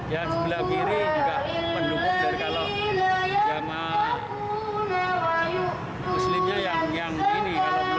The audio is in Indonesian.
yang sebelah kiri juga pendukung dari kalau jamaah muslimnya yang ini